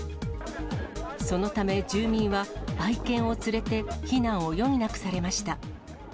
そのため住民は、愛犬を連れて避難を余儀なくされました。